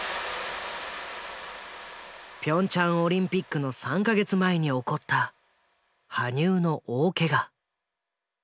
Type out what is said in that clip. ピョンチャンオリンピックの３か月前に起こった羽生の大ケガ。